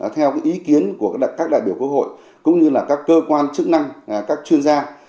theo ý kiến của các đại biểu quốc hội cũng như là các cơ quan chức năng các chuyên gia